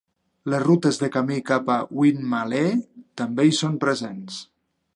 Les rutes de camí cap a Winmalee també hi són presents.